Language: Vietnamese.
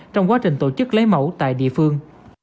trong quá trình tổ chức lấy mẫu tại địa phương